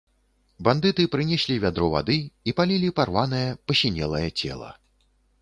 Бандыты прынеслі вядро вады і палілі парванае, пасінелае цела.